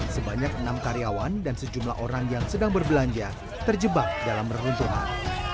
sebanyak enam karyawan dan sejumlah orang yang sedang berbelanja terjebak dalam reruntuhan